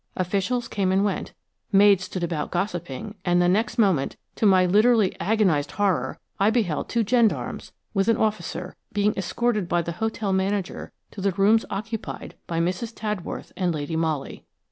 Officials came and went, maids stood about gossiping, and the next moment, to my literally agonised horror, I beheld two gendarmes, with an officer, being escorted by the hotel manager to the rooms occupied by Mrs. Tadworth and Lady Molly.